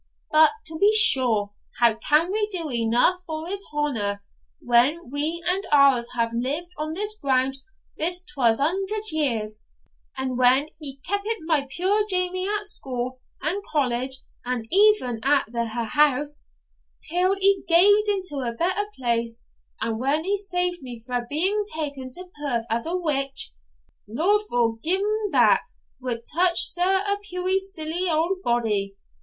But, to be sure, how can we do eneugh for his Honour, when we and ours have lived on his ground this twa hundred years; and when he keepit my puir Jamie at school and college, and even at the Ha' house, till he gaed to a better place; and when he saved me frae being ta'en to Perth as a witch Lord forgi'e them that would touch sic a puir silly auld body!